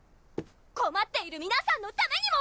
こまっている皆さんのためにも！